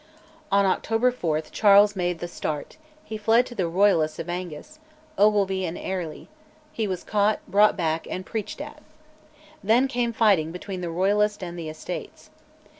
On October 4 Charles made "the Start"; he fled to the Royalists of Angus, Ogilvy and Airlie: he was caught, brought back, and preached at. Then came fighting between the Royalists and the Estates.